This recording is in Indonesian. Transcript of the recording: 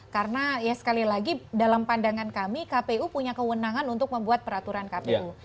karena ya sekali lagi dalam pandangan kami kpu punya kewenangan untuk membuat peraturan kpu